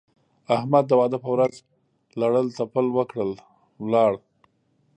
احمد د واده په ورځ لړل تپل وکړل؛ ولاړ.